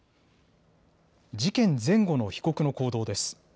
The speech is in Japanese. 事件前後の被告の行動です。